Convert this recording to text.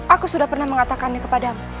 aku sudah pernah mengatakannya kepadamu